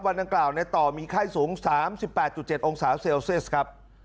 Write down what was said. นางกล่าวในต่อมีไข้สูง๓๘๗องศาเซลเซียสครับ